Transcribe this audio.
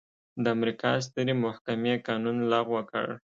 د امریکا سترې محکمې قانون لغوه کړ.